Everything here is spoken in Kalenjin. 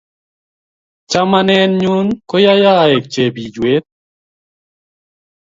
Chamanenyun koyayo aek chepiywet